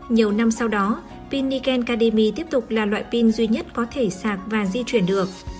nhiều năm sau đó pin niken cademy tiếp tục là loại pin duy nhất có thể sạc và di chuyển được